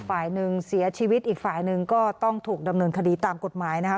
ฝ่ายหนึ่งเสียชีวิตอีกฝ่ายหนึ่งก็ต้องถูกดำเนินคดีตามกฎหมายนะคะ